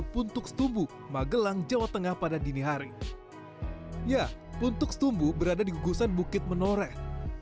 puntuk setumbu berada di gugusan bukit menoreh